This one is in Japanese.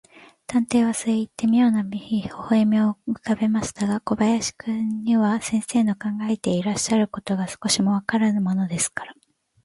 探偵はそういって、みょうな微笑をうかべましたが、小林君には、先生の考えていらっしゃることが、少しもわからぬものですから、